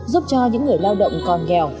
giúp cho những người lao động còn nghèo